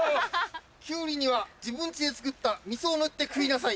キュウリには自分家で作った味噌を塗って食いなさい。